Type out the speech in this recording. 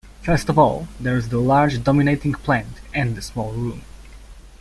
First of all, there is the large dominating plant and the small room.